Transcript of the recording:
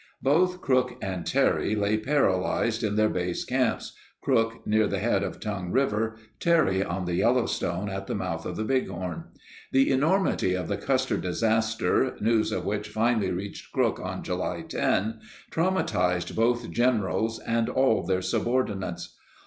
Both Crook and Terry lay paralyzed in their base 75 camps, Crook near the head of Tongue River, Terry on the Yellowstone at the mouth of the Bighorn. The enormity of the Custer disaster, news of which finally reached Crook on July 10, traumatized both generals and all their subordinates.